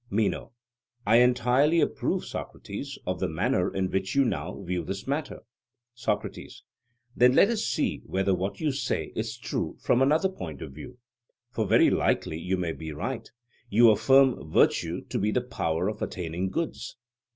MENO: I entirely approve, Socrates, of the manner in which you now view this matter. SOCRATES: Then let us see whether what you say is true from another point of view; for very likely you may be right: You affirm virtue to be the power of attaining goods?